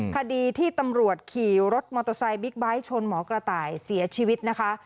คดีที่ตำรวจขี่รถมอเตอร์ไซค์บิ๊กไบท์ชนหมอกระต่ายเสียชีวิตนะคะ